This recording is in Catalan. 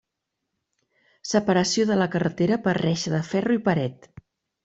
Separació de la carretera per reixa de ferro i paret.